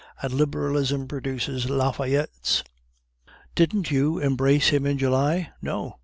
and Liberalism produces Lafayettes?" "Didn't you embrace him in July?" "No."